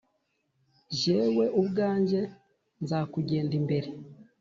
jyewe ubwanjye nzakugenda imbere,